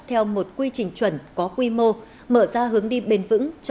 theo một quy trình chuẩn có quy mô mở ra hướng đi bền vững